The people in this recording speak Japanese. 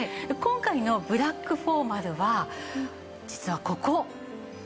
今回のブラックフォーマルは実はここ。